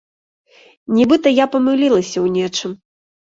Нібыта я памылілася ў нечым.